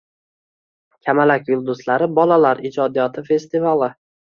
Kamalak yulduzlari bolalar ijodiyoti festivali